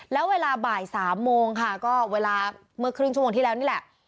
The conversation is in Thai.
แล้วเวลาบ่าย๓โมงค่ะก็เวลาเมื่อครึ่งชั่วโมงที่แล้วนี่แหละ